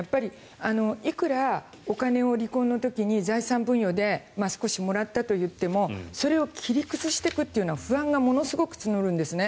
いくらお金を離婚の時に財産分与で少しもらったといってもそれを切り崩していくというのは不安がものすごく募るんですね。